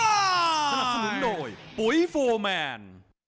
สนุกโดยปุ๊ยโฟร์แมน